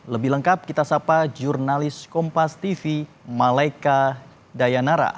lebih lengkap kita sapa jurnalis kompas tv malaika dayanara